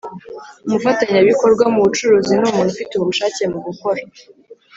Umufatanyabikorwa mu bucuruzi ni umuntu ufite ubushake mu gukora